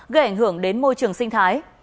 gây ảnh hưởng đến môi trường sinh thái